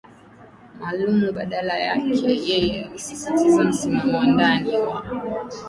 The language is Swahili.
maalumu Badala yake yeye alisisitiza msimamo wa ndani wa